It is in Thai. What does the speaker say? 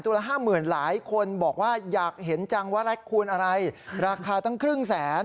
ละห้าหมื่นหลายคนบอกว่าอยากเห็นจังว่าแร็คคูณอะไรราคาตั้งครึ่งแสน